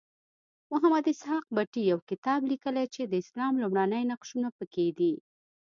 محمد اسحاق بټي یو کتاب لیکلی چې د اسلام لومړني نقشونه پکې دي.